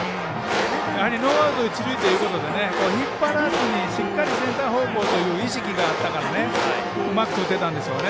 やはりノーアウト一塁ということで引っ張らずにしっかりセンター方向という意識があったからうまく打てたんでしょうね。